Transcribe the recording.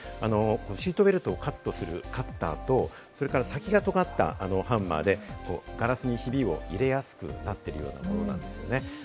シートベルトをカットするカッターと、それから先が尖ったハンマーでガラスにひびを入れやすくなっているようなものなんですね。